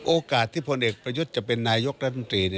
โอกาสที่พลเอกประยุทธ์จะเป็นนายกรัฐมนตรี